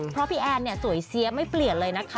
เพราะพี่แอนเนี่ยสวยเสียไม่เปลี่ยนเลยนะคะ